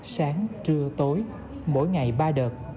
sáng trưa tối mỗi ngày ba đợt